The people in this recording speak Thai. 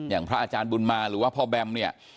อย่างพระอาจารย์บุญมาหรือว่าพ่อแบมเนี่ย